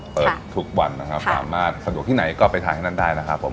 เปิดทุกวันนะครับสามารถสะดวกที่ไหนก็ไปทานที่นั่นได้นะครับผม